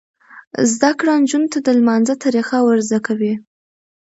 زده کړه نجونو ته د لمانځه طریقه ور زده کوي.